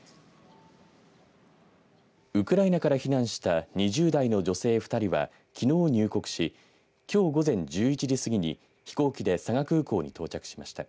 ウクライナから避難した２０代の女性２人はきのう入国しきょう午前１１時過ぎに飛行機で佐賀空港に到着しました。